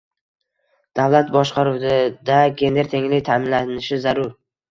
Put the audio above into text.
Davlat boshqaruvida gender tenglik ta’minlanishi zarur